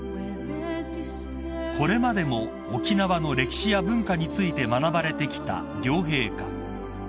［これまでも沖縄の歴史や文化について学ばれてきた両陛下］